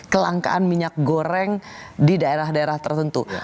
kelangkaan minyak goreng di daerah daerah tertentu